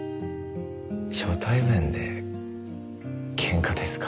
初対面でケンカですか。